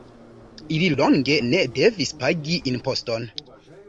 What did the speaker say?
Ili longe ne devis pagi imposton.